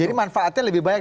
jadi manfaatnya lebih banyak